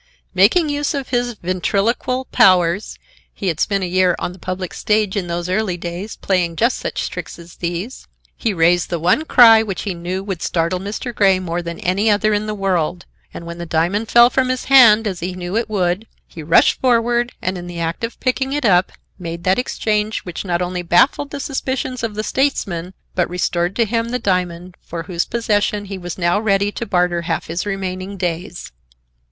Making use of his ventriloquial powers—he had spent a year on the public stage in those early days, playing just such tricks as these—he raised the one cry which he knew would startle Mr. Grey more than any other in the world, and when the diamond fell from his hand, as he knew it would, he rushed forward and, in the act of picking it up, made that exchange which not only baffled the suspicions of the statesman, but restored to him the diamond, for whose possession he was now ready to barter half his remaining days.